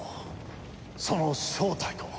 その正体とは。